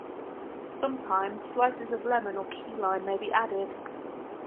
Sometimes slices of lemon or key lime may be added.